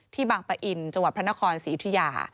บางปะอินจังหวัดพระนครศรีอุทิยา